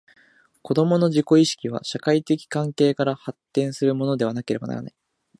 子供の自己意識は、社会的関係から発展するものでなければならない。